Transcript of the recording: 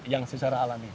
yang secara alami